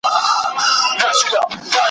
چا د خپل بلال ږغ نه دی اورېدلی `